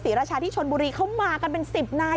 ราชาที่ชนบุรีเขามากันเป็น๑๐นาย